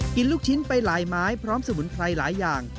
ลูกชิ้นไปหลายไม้พร้อมสมุนไพรหลายอย่าง